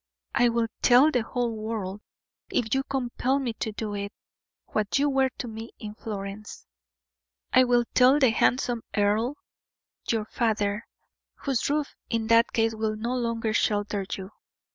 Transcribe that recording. I will tell the whole world, if you compel me to do it, what you were to me in Florence; I will tell the handsome earl, your father, whose roof in that case will no longer shelter you.